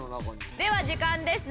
では時間です。